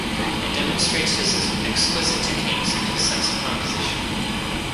It demonstrates his exquisite techniques, and his sense of composition.